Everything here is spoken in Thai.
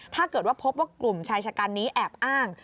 ถ้าเกิดว่าพบว่ากลุ่มชายชะกันนี้แอบอ้าง